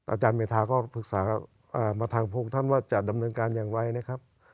อาจารย์เมธาก็ปรึกษามาทางพวกท่านว่าจะดำเนินการอย่างไรนะครับ